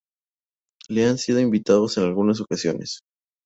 Las han sido invitados en algunas ocasiones.